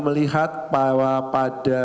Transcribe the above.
melihat bahwa pada